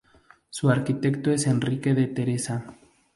Su arquitecto es Enrique de Teresa.